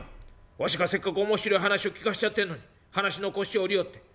わしがせっかく面白い話を聞かしてやってんのに話の腰を折りよって」。